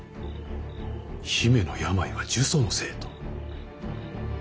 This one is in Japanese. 姫の病は呪詛のせいと？